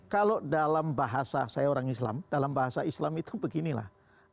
kalau dalam bahasa saya orang islam dalam bahasa islam itu beginilah